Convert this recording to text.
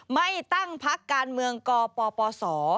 ไม่ตั้งพักการเมืองกปปศ